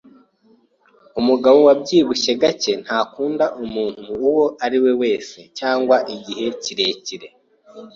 Umugabo wabyibushye gake ntakunda umuntu uwo ari we wese cyangwa igihe kirekire